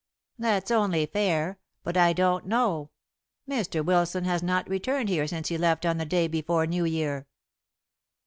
"That's only fair; but I don't know. Mr. Wilson has not returned here since he left on the day before New Year."